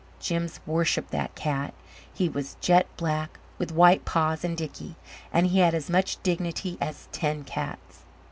Jims worshipped that cat. He was jet black, with white paws and dickey, and he had as much dignity as ten cats.